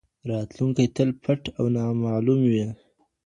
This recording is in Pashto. راتلونکی تل پټ او نامعلوم وي.